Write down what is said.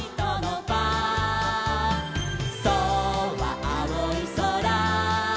「『ソ』はあおいそら」